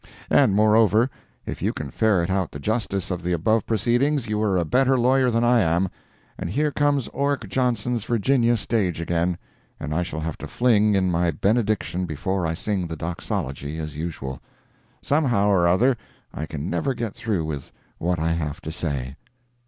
And, moreover, if you can ferret out the justice of the above proceedings, you are a better lawyer than I am—and here comes Orrick Johnson's Virginia stage again, and I shall have to fling in my benediction before I sing the doxology, as usual. Somehow or other, I can never get through with what I have to say.